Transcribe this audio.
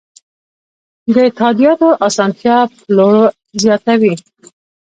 د تادیاتو اسانتیا پلور زیاتوي.